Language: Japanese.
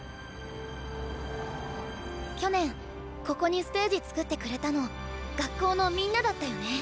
去年ここにステージ作ってくれたの学校のみんなだったよね。